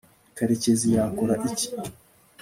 karekezi yakora iki